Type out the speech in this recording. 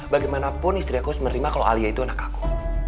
bagaimanapun istri aku menerima kalau alia itu anak aku